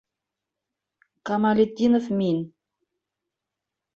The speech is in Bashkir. Камалетдинов мин...